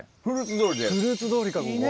フルーツ通りかここ。